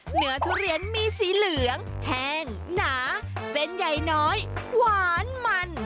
เหนือทุเรียนมีสีเหลืองแห้งหนาเส้นใหญ่น้อยหวานมัน